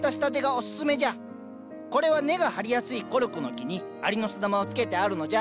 これは根が張りやすいコルクの木にアリノスダマをつけてあるのじゃ。